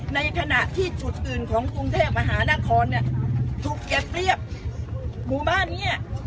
ในขณะที่จุดอื่นของกรุงเทพมหานครเนี่ยถูกเก็บเรียบหมู่บ้านเนี้ย